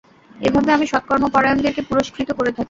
এভাবে আমি সৎকর্মপরায়ণদেরকে পুরস্কৃত করে থাকি।